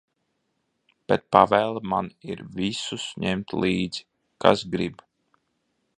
Bet pavēle man ir visus ņemt līdzi, kas grib.